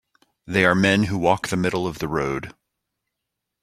They are men who walk the middle of the road.